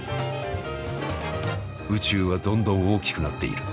宇宙はどんどん大きくなっている。